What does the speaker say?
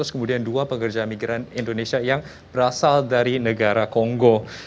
kemudian dua pekerja migran indonesia yang berasal dari negara kongo